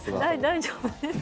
大丈夫です。